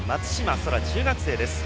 空、中学生です。